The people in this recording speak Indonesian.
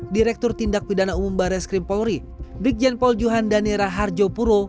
direktur tindak bidana umum barres krimpolri bikjen paul johan danira harjopuro